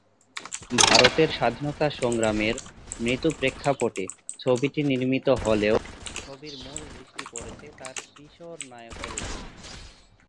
ভারতের স্বাধীনতা সংগ্রামের মৃদু প্রেক্ষাপটে ছবিটি নির্মিত হলেও ছবির মূল দৃষ্টি পড়েছে তার কিশোর নায়কের উপরে।